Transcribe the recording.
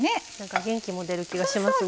元気も出る気がしますね。